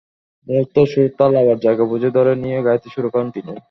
মুহূর্তেই সুর-তাল আবার জায়গা বুঝে ধরে নিয়ে গাইতে শুরু করেন তিনি।